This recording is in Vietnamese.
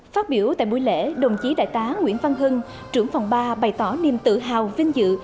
phát biểu tại buổi lễ đồng chí đại tá nguyễn văn hưng trưởng phòng ba bày tỏ niềm tự hào vinh dự